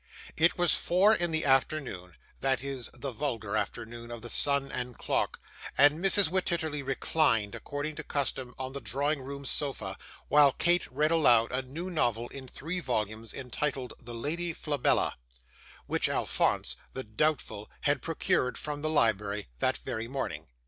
It was four in the afternoon that is, the vulgar afternoon of the sun and the clock and Mrs. Wititterly reclined, according to custom, on the drawing room sofa, while Kate read aloud a new novel in three volumes, entitled 'The Lady Flabella,' which Alphonse the doubtful had procured from the library that very morning.